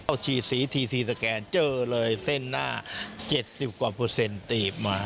เอาฉีดสีทีสแกนเจอเลยเส้นหน้า๗๐กว่าเปอร์เซ็นตีบมา